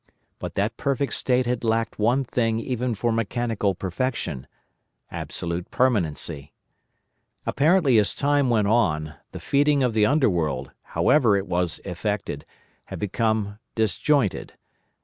But that perfect state had lacked one thing even for mechanical perfection—absolute permanency. Apparently as time went on, the feeding of an Underworld, however it was effected, had become disjointed.